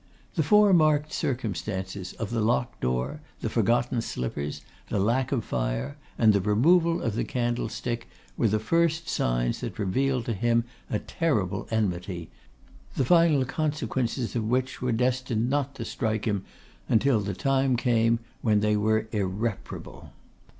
The four marked circumstances of the locked door, the forgotten slippers, the lack of fire, and the removal of the candlestick, were the first signs that revealed to him a terrible enmity, the final consequences of which were destined not to strike him until the time came when they were irreparable.